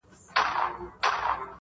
زه اوسېږمه زما هلته آشیانې دي؛